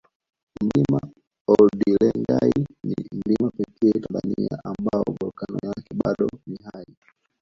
Mlima oldinyolengai ni mlima pekee Tanzania ambao volkani yake bado ni hai